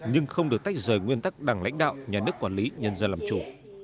nhưng không được tách rời nguyên tắc đảng lãnh đạo nhà nước quản lý nhân dân làm chủ